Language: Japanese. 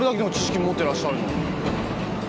持ってらっしゃるのに。